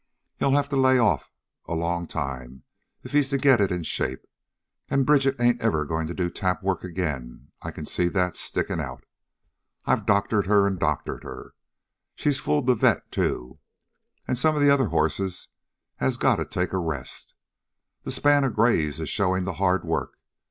He'll have to lay off a long time if he's to get it in shape. An' Bridget ain't ever goin' to do a tap of work again. I can see that stickin' out. I've doctored her an' doctored her. She's fooled the vet, too. An' some of the other horses has gotta take a rest. That span of grays is showin' the hard work.